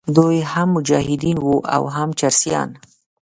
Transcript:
دوی هم مجاهدین وو او هم چرسیان.